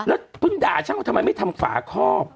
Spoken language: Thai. แล้วเพิ่งด่าช่างว่าทำไมไม่ทำฝาคอก